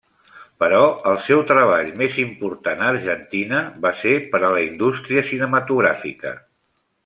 Però, el seu treball més important a Argentina va ser per a la indústria cinematogràfica.